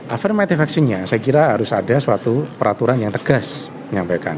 afirmative actionnya saya kira harus ada suatu peraturan yang tegas menyampaikan